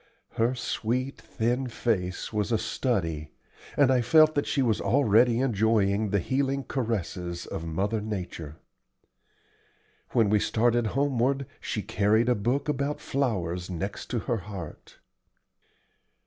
Her sweet, thin face was a study, and I felt that she was already enjoying the healing caresses of Mother Nature. When we started homeward she carried a book about flowers next to her heart.